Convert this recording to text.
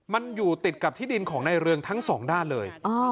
มันอยู่ติดกับที่ดินของในเรืองทั้งสองด้านเลย